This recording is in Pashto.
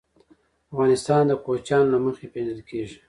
افغانستان د کوچیان له مخې پېژندل کېږي.